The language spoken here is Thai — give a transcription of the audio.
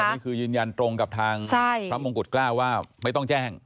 อันนี้คือยืนยันตรงกับทางพระมงกุฎเกล้าว่าไม่ต้องแจ้ง